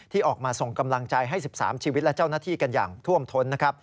ออกมาส่งกำลังใจให้๑๓ชีวิตและเจ้าหน้าที่กันอย่างท่วมท้น